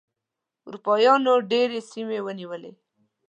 اروپایانو ډېرې سیمې ونیولې.